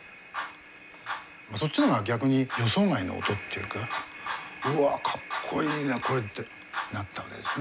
そっちの方が逆に予想外の音っていうかうわかっこいいなこれ！ってなったわけですね。